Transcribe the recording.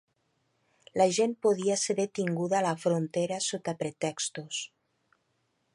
La gent podia ser detinguda a la frontera sota pretextos